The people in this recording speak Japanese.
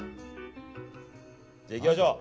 じゃあいきましょう！